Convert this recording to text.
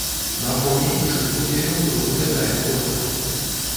На фоне іншых музеяў мы выглядаем годна!